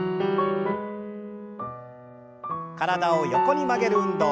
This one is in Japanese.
体を横に曲げる運動。